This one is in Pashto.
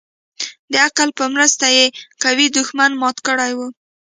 د عقل په مرسته يې قوي دښمن مات كړى و.